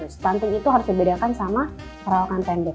stunting itu harus dibedakan sama perawatan pendek